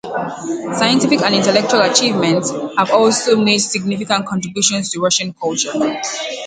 Scientific and intellectual achievements have also made significant contributions to Russian culture.